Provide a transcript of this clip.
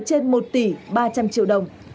trên một tỷ ba trăm linh triệu đồng